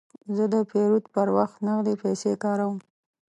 زه د پیرود پر وخت نغدې پیسې کاروم.